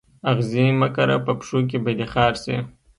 آغزي مه کره په پښو کي به دي خار سي